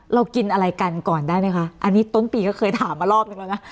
เรากินอะไรกันก่อนได้ไหมคะอันนี้ต้นปีก็เคยถามมารอบหนึ่งแล้วนะ